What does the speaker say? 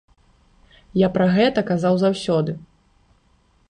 Я пра гэта казаў заўсёды.